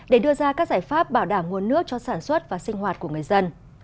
để đưa ra các giải pháp bảo đảm nguồn nước cho sản xuất và sinh hoạt của người dân